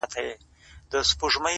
له خپل پلاره دي وانه خيستل پندونه -